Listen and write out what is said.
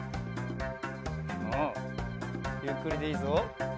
おおゆっくりでいいぞ。